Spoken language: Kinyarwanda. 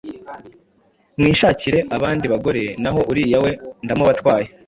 mwishakire abandi bagore, naho uriya we ndamubatwaye !»